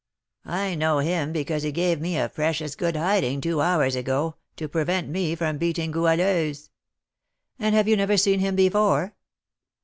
"I know him because he gave me a precious good hiding two hours ago, to prevent me from beating Goualeuse." "And have you never seen him before?"